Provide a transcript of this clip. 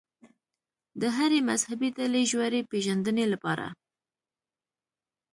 د هرې مذهبي ډلې ژورې پېژندنې لپاره.